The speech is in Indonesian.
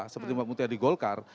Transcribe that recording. seperti mbak mutia di golkar